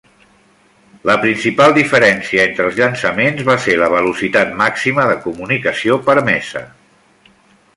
La principal diferència entre els llançaments va ser la velocitat màxima de comunicació permesa.